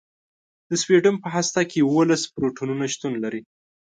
د سوډیم په هسته کې یوولس پروتونونه شتون لري.